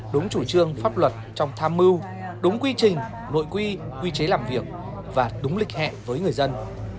đúng chủ trương pháp luật trong tham mưu đúng quy trình nội quy quy chế làm việc và đúng lịch hẹn với người dân